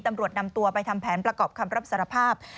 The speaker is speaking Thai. ตำรวจนำตัวไปทำแผนประกอบคำรับสารภาพ